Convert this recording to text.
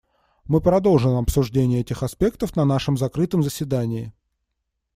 Мы продолжим обсуждение этих аспектов на нашем закрытом заседании.